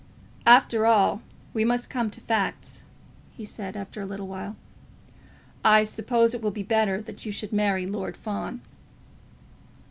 "After all we must come to facts," he said, after a while. "I suppose it will be better that you should marry Lord Fawn."